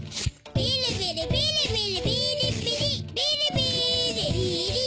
ビリビリビリビリ。